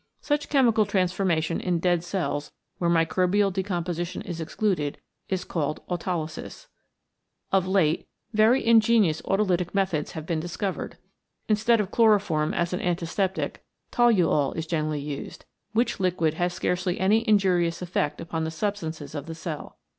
Such chemical transformation in dead cells where microbial decomposition is excluded, is called Aulolysis. Of late very ingenious autolytical F 65 CHEMICAL PHENOMENA IN LIFE methods have been discovered. Instead of chloro form as an antiseptic toluol is generally used, which liquid has scarcely any injurious effect upon the substances of the cell.